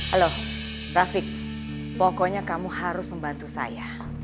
halo grafik pokoknya kamu harus membantu saya